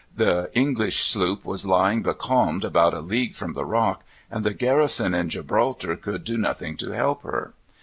The English sloop was lying becalmed about a league from the Rock, and the garrison in Gibraltar could do nothing to help her.